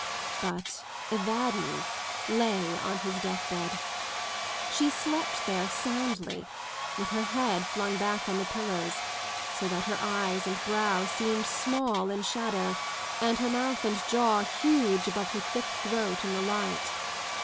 But Evadne lay on his deathbed. She slept there soundly, with her head flung back on the pillows so that her eyes and brow seemed small in shadow, and her mouth and jaw huge above her thick throat in the light.